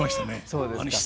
そうですか。